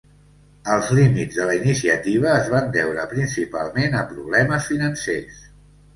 Els límits de la iniciativa es van deure principalment a problemes financers.